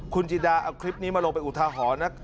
คุณจิดาเอาคลิปนี้มาลงไปอุทาหรณ์นะ